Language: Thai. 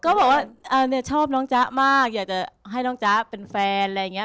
ก็บอกว่าเนี่ยชอบน้องจ๊ะมากอยากจะให้น้องจ๊ะเป็นแฟนอะไรอย่างนี้